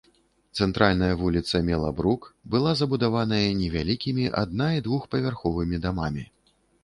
Цэнтральная вуліца мела брук, была забудаваная невялікімі адна- і двухпавярховымі дамамі.